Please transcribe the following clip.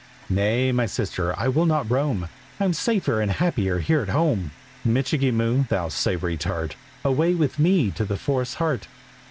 "Nay, my sister, I will not roam; I'm safer and happier here at home," "Michikee Moo, thou Savoury Tart, Away with me to the forest's heart!"